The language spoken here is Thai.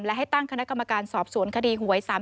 และให้ตั้งคณะกรรมการสอบสวนคดีหวย๓๐